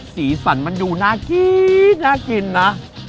สีสันมันดูน่ากินนะ